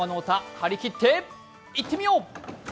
張り切っていってみよう！